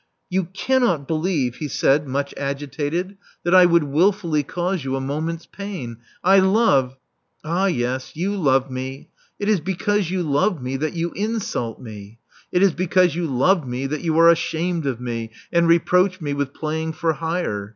You cannot believe," he said, much agitated, that I would wilfully cause you a moment's pain. I love " •*Ah, yes, you love me. It is because you love me that you insult me. It is because you love me that you are ashamed of me and reproach me with playing for hire.